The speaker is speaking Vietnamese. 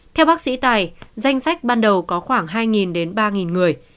theo bác sĩ tài danh sách ban đầu có khoảng hai đến ba người